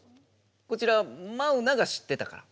こちらマウナが知ってたから？